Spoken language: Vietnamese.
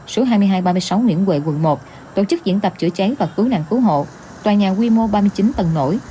số hai nghìn hai trăm ba mươi sáu nguyễn huệ quận một tổ chức diễn tập chữa cháy và cứu nạn cứu hộ tòa nhà quy mô ba mươi chín tầng nổi